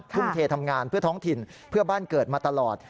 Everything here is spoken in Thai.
ทุ่มเททำงานเพื่อท้องถิ่นเพื่อบ้านเกิดมาตลอด